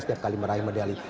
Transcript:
setiap kali merayu medali